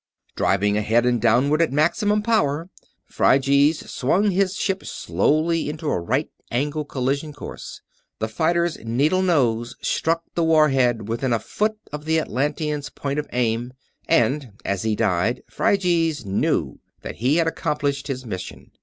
Driving ahead and downward, at maximum power, Phryges swung his ship slowly into a right angle collision course. The fighter's needle nose struck the war head within a foot of the Atlantean's point of aim, and as he died Phryges knew that he had accomplished his mission.